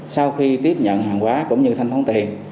sau khi tiếp nhận hàng hóa cũng như thanh thống tiền